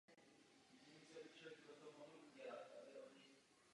Prohlásili Nassau za pirátskou republiku.